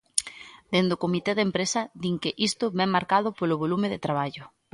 Dende o comité de empresa din que isto vén marcado polo volume de traballo.